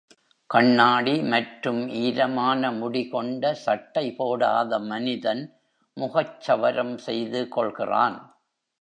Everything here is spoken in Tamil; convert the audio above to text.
கண்ணாடி மற்றும் ஈரமான முடி கொண்ட சட்டை போடாத மனிதன் முகச்சவரம் செய்து கொள்கிறான்.